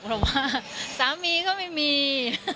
เพราะว่าสามีก็ไม่มี